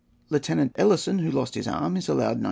Lieutenant Ellison, who lost his arm, is allowed 91£.